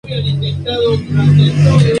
El escudo de armas viene de tiempos modernos.